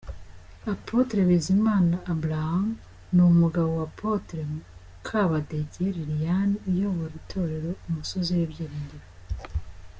Apôtre Bizimana Abraham ni umugabo wa Apôtre Mukabadege Liliane uyobora Itorero “Umusozi w’Ibyiringiro”.